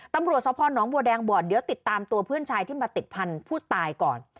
ตำรวจสพนบัวแดงบอกเดี๋ยวติดตามตัวเพื่อนชายที่มาติดพันธุ์ผู้ตายก่อน